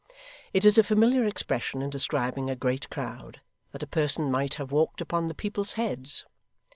It is a familiar expression in describing a great crowd, that a person might have walked upon the people's heads.